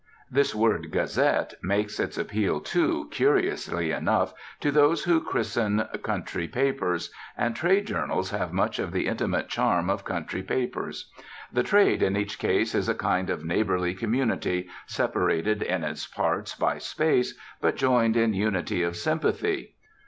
This word "gazette" makes its appeal, too, curiously enough, to those who christen country papers; and trade journals have much of the intimate charm of country papers. The "trade" in each case is a kind of neighborly community, separated in its parts by space, but joined in unity of sympathy.